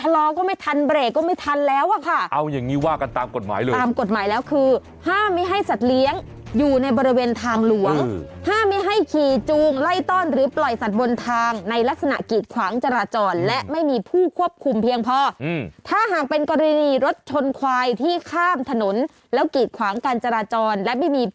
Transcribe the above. ลองดูรถอันนี้ขับแซงกระบะมา